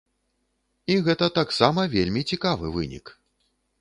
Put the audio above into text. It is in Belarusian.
І гэта таксама вельмі цікавы вынік.